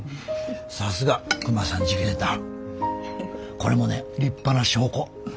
これもね立派な証拠。